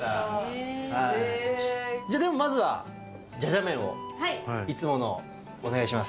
じゃ、ではまずはじゃじゃ麺、いつものお願いします。